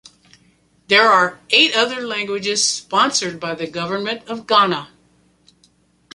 There are eight other languages sponsored by the Government of Ghana.